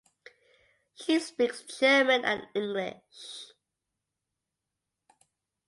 She speaks German and English.